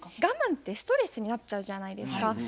我慢ってストレスになっちゃうじゃないですか。